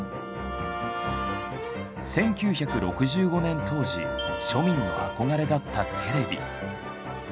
１９６５年当時庶民の憧れだったテレビ。